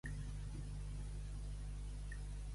Més net que un pes de xufer.